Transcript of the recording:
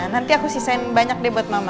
nanti aku sisain banyak deh buat mama